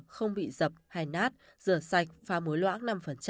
không bị dập hay nát rửa sạch pha mối loãng năm